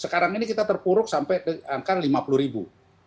sekarang ini kita terpuruk sampai angka lima puluh ribu